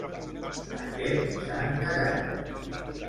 A què s'han negat?